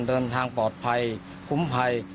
เดินทางปลอดภัยคุ้มภัย